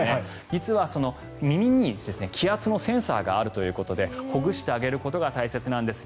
実は、耳に気圧のセンサーがあるということでほぐしてあげることが大切なんです。